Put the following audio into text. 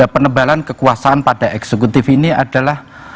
penebalan kekuasaan pada eksekutif ini adalah